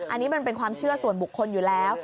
อันนี้มันเป็นความเชื่อส่วนบุคคลอยู่แล้ว